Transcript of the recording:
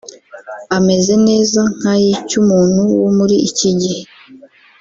ameze neza nk’ay’icy’umuntu wo muri iki gihe